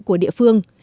của địa phương